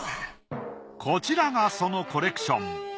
こちらがそのコレクション。